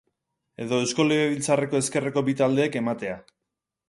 Edo Eusko Legebiltzarreko ezkerreko bi taldeek ematea.